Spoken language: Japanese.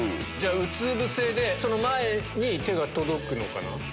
うつぶせでその前に手が届くのかな。